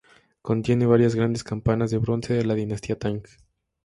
Contiene varias grandes campanas de bronce de la Dinastía Tang.